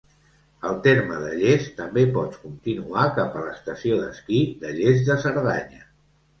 Al terme de Lles també pots continuar cap a l'Estació d'Esquí de Lles de Cerdanya.